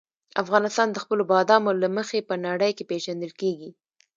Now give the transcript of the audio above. افغانستان د خپلو بادامو له مخې په نړۍ کې پېژندل کېږي.